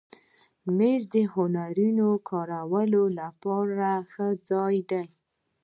مېز د هنري کارونو لپاره ښه ځای دی.